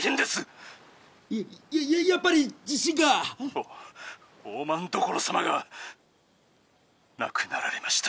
「お大政所様が亡くなられました」。